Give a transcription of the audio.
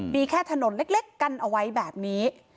มีแค่ถนนเล็กกันเอาไว้แบบนี้